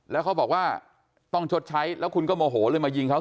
แล้วเขาบอกว่าต้องชดใช้แล้วคุณก็โมโหเลยมายิงเขา